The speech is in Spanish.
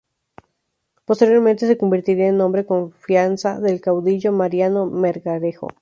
Posteriormente se convertiría en hombre confianza del caudillo Mariano Melgarejo.